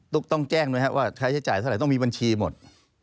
ต้องแจ้งด้วยครับว่าค่าใช้จ่ายเท่าไหร่ต้องมีบัญชีหมด